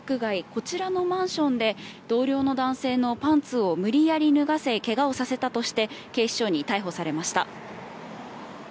こちらのマンションで同僚の男性のパンツを無理やり脱がせけがをさせたとして警視庁に逮捕されました。